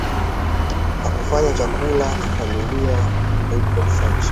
na kufanya chakula na familia Marcial Sanchez